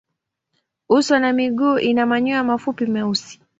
Uso na miguu ina manyoya mafupi meusi.